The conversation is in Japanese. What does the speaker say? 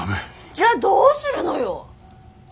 じゃあどうするのよ！